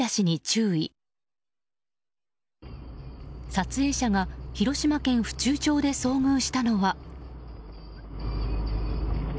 撮影者が広島県府中町で遭遇したのは。